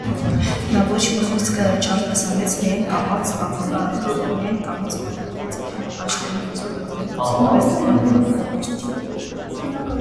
Նա ոչ մի խոսք չարտասանեց, միայն կամաց փաթաթվեց Աշխենի վզովը և դեմքը սեղմեց նրա կրծքին: